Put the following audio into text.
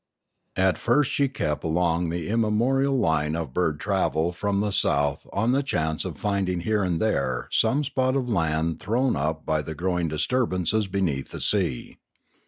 At first she kept along the immemorial line of bird travel from the south on the chance of finding here and there some spot of land thrown up by the growing disturbances beneath the sea.